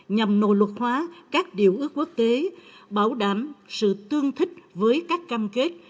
nhằm nội luật hóa các điều ước quốc tế bảo đảm sự tương thích với các cam kết